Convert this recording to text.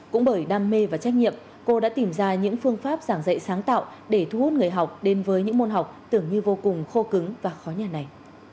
cũng bởi đam mê và trách nhiệm cô đã tìm ra những phương pháp giảng dạy sáng tạo để thu hút người học đến với những môn học tưởng như vô cùng khô cứng và khó nhà này